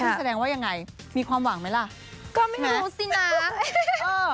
แสดงว่ายังไงมีความหวังไหมล่ะก็ไม่รู้สินะเออ